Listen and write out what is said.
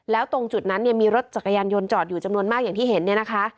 แล้วตรงจุดนั้นมีรถจักรยานยนต์จอดอยู่จำนวนมากอย่างที่เห็น